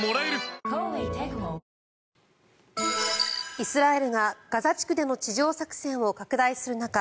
イスラエルがガザ地区での地上作戦を拡大する中